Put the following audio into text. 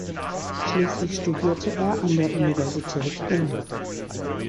Schließlich studierte er an der Universität Genf.